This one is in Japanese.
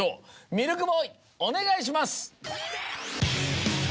ミルクボーイお願いします。